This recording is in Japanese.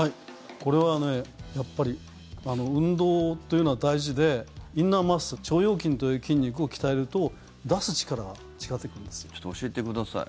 これはやっぱり運動というのは大事でインナーマッスル腸腰筋という筋肉を鍛えるとちょっと教えてください。